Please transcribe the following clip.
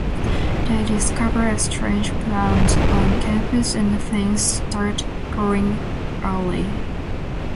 They discover a strange plant on campus and things start going awry.